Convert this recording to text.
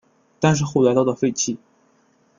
但是后来遭到废弃。